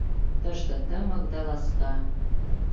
Тыште тымык да ласка.